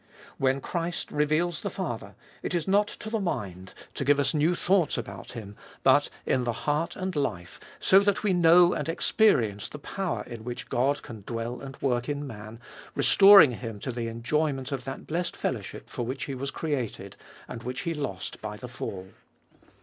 When Christ reveals the Father, it is not to the mind, to give us new 42 ftbe ibolfest of all thoughts about Him, but in the heart and life, so that we know and experience the power in which God can dwell and work in man, restoring him to the enjoyment of that blessed fellowship for which he was created, and which he lost by the fall.